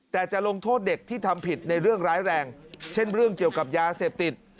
แต่จะลงโทษเด็กที่ทำผิดในเรื่องร้ายแรงเช่นเรื่องเกี่ยวกับยาเสพติด